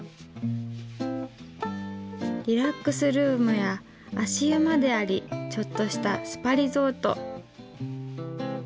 リラックスルームや足湯までありちょっとしたスパリゾート。